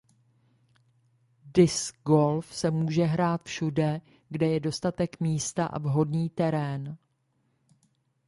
Disc golf se může hrát všude kde je dostatek místa a vhodný terén.